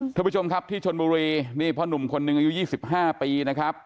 ทุกหู้ผู้ชมที่ชนบุรีนี่เพราะหนุ่มคนนึงอายุยี่สิบห้าปีนะครับ